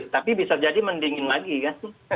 tapi bisa jadi mendingin lagi kan